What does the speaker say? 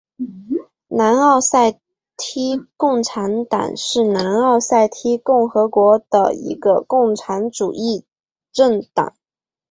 南奥塞梯共产党是南奥塞梯共和国的一个共产主义政党。